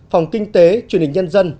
phòng kinh tế truyền hình nhân dân